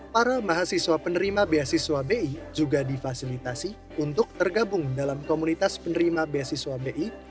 para mahasiswa penerima beasiswa bi juga difasilitasi untuk tergabung dalam komunitas penerima beasiswa bi